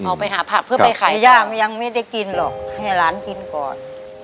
ออกไปหาผักเพื่อไปขายย่ายังไม่ได้กินหรอกให้หลานกินก่อน